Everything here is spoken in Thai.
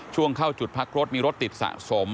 ช่วงเข้าจุดพักรถมีรถติดสะสม